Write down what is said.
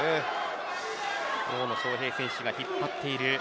大野将平選手が引っ張っている。